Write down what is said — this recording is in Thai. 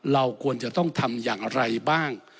เราควรจะต้องทำอย่างไรบ้าง